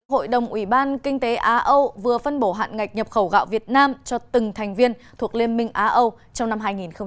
hội đồng ủy ban kinh tế á âu vừa phân bổ hạn ngạch nhập khẩu gạo việt nam cho từng thành viên thuộc liên minh á âu trong năm hai nghìn hai mươi